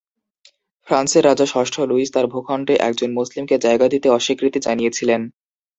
ফ্রান্সের রাজা ষষ্ঠ লুইস তার ভূখন্ডে একজন মুসলিমকে জায়গা দিতে অস্বীকৃতি জানিয়েছিলেন।